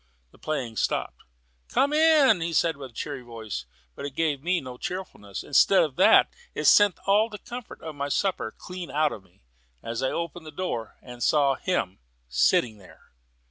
The playing stopped. "Come in," said a cheery voice; but it gave me no cheerfulness. Instead of that, it sent all the comfort of my supper clean out of me, as I opened the door and saw him sitting there.